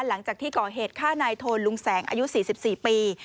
หลังจากที่ก่อเหตุฆ่านายโทนลุงแสงอายุ๔๔ปี